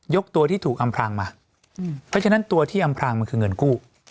ตัวที่ถูกอำพลางมาเพราะฉะนั้นตัวที่อำพรางมันคือเงินกู้